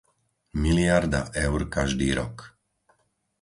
Miliarda eur každý rok.